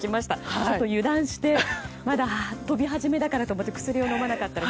ちょっと油断してまだ飛び始めだからと思って薬を飲まなかったら。